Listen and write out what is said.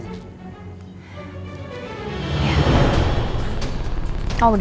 oh udah juga gak ada